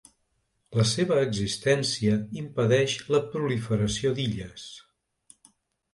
La seva existència impedeix la proliferació d'illes.